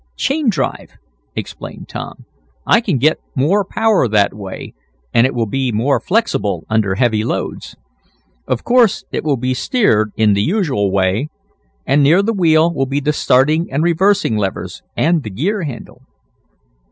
"Chain drive," explained Tom. "I can get more power that way, and it will be more flexible under heavy loads. Of course it will be steered in the usual way, and near the wheel will be the starting and reversing levers, and the gear handle."